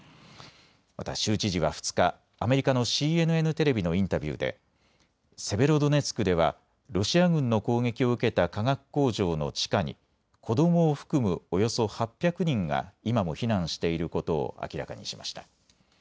また州知事は２日、アメリカのＣＮＮテレビのインタビューでセベロドネツクではロシア軍の攻撃を受けた化学工場の地下に子どもを含むおよそ８００人が今も避難していることを明らかにしました。